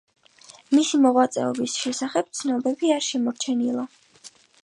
მისი მოღვაწეობის შესახებ ცნობები არ შემორჩენილა.